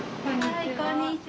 はいこんにちは。